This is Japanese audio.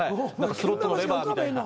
スロットのレバーみたいな。